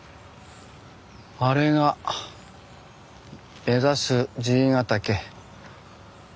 あれが目指す爺ヶ岳。